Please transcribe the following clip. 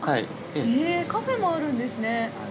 へえ、カフェもあるんですね。